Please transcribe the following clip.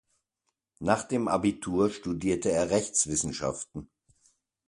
Nach dem Abitur studierte er Rechtswissenschaften.